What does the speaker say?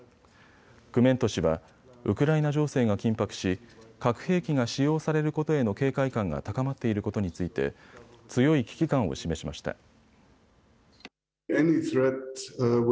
クメント氏は、ウクライナ情勢が緊迫し核兵器が使用されることへの警戒感が高まっていることについて強い危機感を示しました。